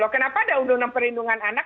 kenapa ada undang undang perlindungan anak